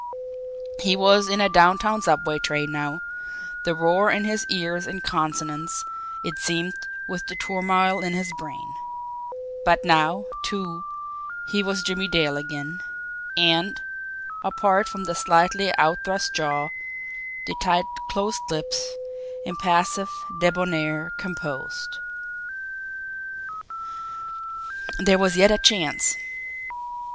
He was in a downtown subway train now the roar in his ears in consonance, it seemed, with the turmoil in his brain. But now, too, he was Jimmie Dale again; and, apart from the slightly outthrust jaw, the tight closed lips, impassive, debonair, composed. There was yet a chance.